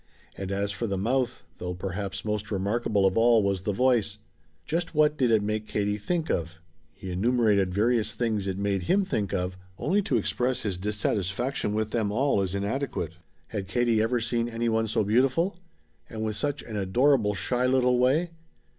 And as for the mouth though perhaps most remarkable of all was the voice. Just what did it make Katie think of? He enumerated various things it made him think of, only to express his dissatisfaction with them all as inadequate. Had Katie ever seen any one so beautiful? And with such an adorable shy little way?